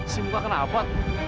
si muka kenapa